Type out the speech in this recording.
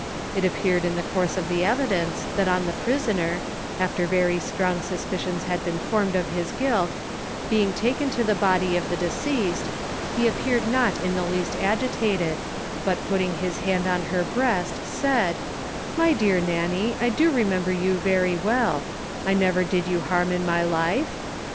It appeared in the course of the evidence, that on the prisoner (after very strong suspicions had been formed of his guilt) being taken to the body of the deceased, he appeared not in the least agitated, but putting his hand on her breast, said, "My dear Nanny, I do remember you very well: I never did you harm in my life?"